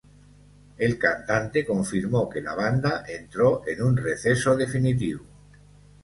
El cantante confirmó que la banda entró en un receso definitivo.